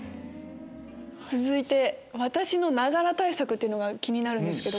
続いて「私のながら対策」というのが気になるんですけど。